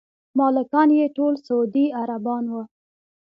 مالکان یې ټول سعودي عربان دي.